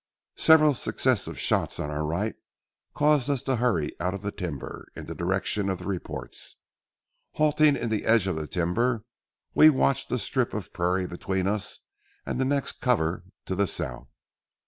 Several successive shots on our right caused us to hurry out of the timber in the direction of the reports. Halting in the edge of the timber, we watched the strip of prairie between us and the next cover to the south.